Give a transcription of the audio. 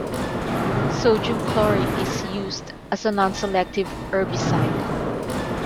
Sodium chlorate is used as a non-selective herbicide.